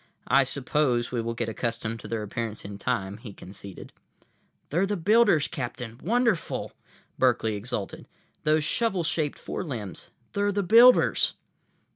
"I suppose we will get accustomed to their appearance in time," he conceded. "They're the builders, Captain. Wonderful!" Berkeley exulted. "Those shovel shaped forelimbs—they're the builders!"